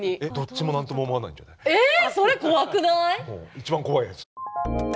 一番怖いやつ。